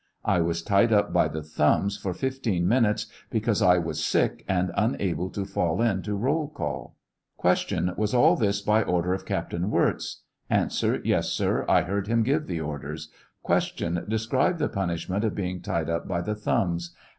I was tied up by the thumbs for fifteen minutes because I was sick, and unable to fall in to roll call. Q. Was all this by order of Captain Wirz 1 A. Yes, sir ; I heard him giro the orders. Q. Describe the punishment of being tied up by the thumbs.